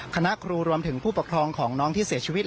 คณะครูรวมถึงผู้ปกครองของน้องที่เสียชีวิต